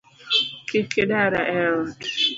Kik idara eot